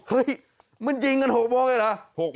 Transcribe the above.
เฮ้ยมันยิงกัน๖โมงเลยเหรอ